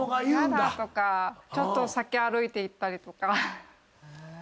やだとかちょっと先歩いていったりとか。